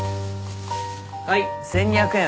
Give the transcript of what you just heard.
はい１，２００円。